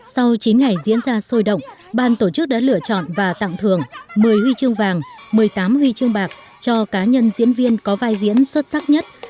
sau chín ngày diễn ra sôi động ban tổ chức đã lựa chọn và tặng thưởng một mươi huy chương vàng một mươi tám huy chương bạc cho cá nhân diễn viên có vai diễn xuất sắc nhất